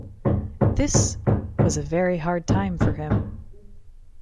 This was a very hard time for him.